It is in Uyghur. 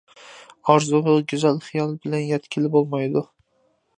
ئارزۇغا گۈزەل خىيال بىلەن يەتكىلى بولمايدۇ.